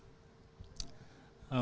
bisa ceritain mas